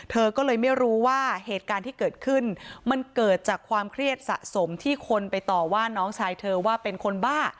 เธอก็เลยไม่รู้ว่าเหตุการณ์ที่เกิดขึ้นมันเกิดจากความเครียดสะสมที่คนไปต่อว่าน้องชายเธอว่าเป็นคนบ้า